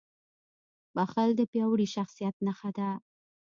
• بښل د پیاوړي شخصیت نښه ده.